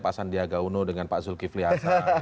pak sandiaga uno dengan pak zulkifli hasan